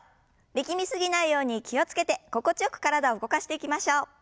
力み過ぎないように気を付けて心地よく体を動かしていきましょう。